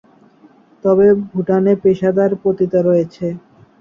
তবে ভুটানে পেশাদার পতিতা রয়েছে।